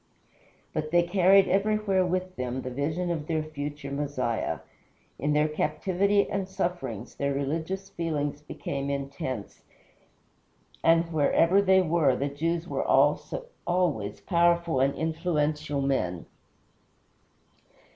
But they carried everywhere with them the vision of their future Messiah. In their captivity and sufferings their religious feelings became intense, and, wherever they were, the Jews were always powerful and influential men.